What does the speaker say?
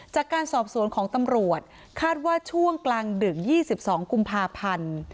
จากการสอบสวนของตำรวจคาดว่าช่วงกลางดึก๒๒กุมภาพันธ์